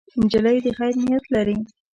نجلۍ د خیر نیت لري.